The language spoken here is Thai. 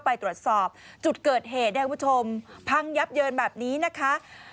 ไปตรวจสอบจุดเกิดเหตุนะครับคุณผู้ชมพังยับเยินแบบนี้นะคะ